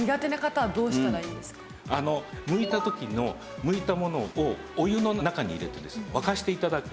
むいた時のむいたものをお湯の中に入れてですね沸かして頂く。